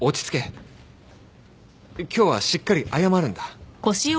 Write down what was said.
今日はしっかり謝るんだ